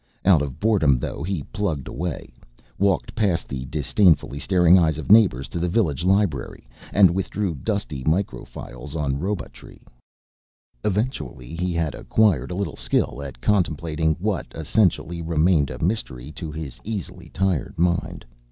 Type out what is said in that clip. Out of boredom, though, he plugged away, walked past the disdainfully staring eyes of neighbors to the village library, and withdrew dusty microfiles on robotry. Eventually he had acquired a little skill at contemplating what, essentially, remained a mystery to his easily tired mind.